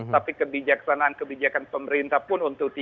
tapi kebijaksanaan kebijakan pemerintah pun untuk tiga